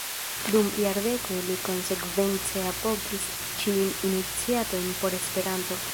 Dum jardekoj li konsekvence apogis ĉiujn iniciatojn por Esperanto.